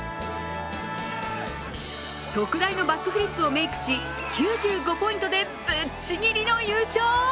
特大のバックフリップをメイクし、９５ポイントでぶっちぎりの優勝。